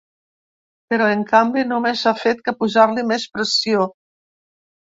Però, en canvi, només ha fet que posar-li més pressió.